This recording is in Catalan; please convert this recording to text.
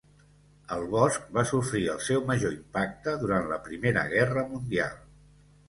El bosc va sofrir el seu major impacte durant la Primera Guerra Mundial.